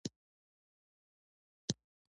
په جوړښت کې یې پلاټ او کرکټر شامل دي.